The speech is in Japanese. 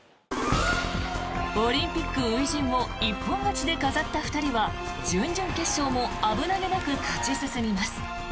オリンピック初陣を一本勝ちで飾った２人は準々決勝も危なげなく勝ち進みます。